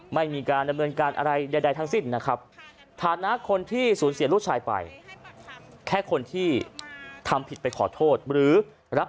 ไม่มีการดำเนินการอะไรใดทั้งสิ้นนะครับ